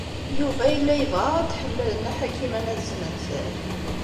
Yuba yella yebɣa ad t-tḥemmel Nna Ḥakima n At Zmenzer.